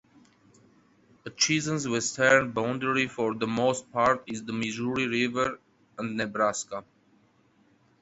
Atchison's western boundary for the most part is the Missouri River and Nebraska.